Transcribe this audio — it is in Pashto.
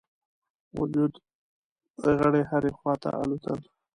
وجود غړي هري خواته الوتل.